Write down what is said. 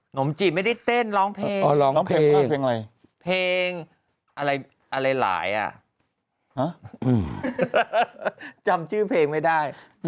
มจีบไม่ได้เต้นร้องเพลงอ๋อร้องเพลงเพลงอะไรเพลงอะไรหลายอ่ะจำชื่อเพลงไม่ได้